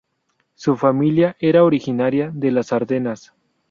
Su familia era originaria de las Ardenas.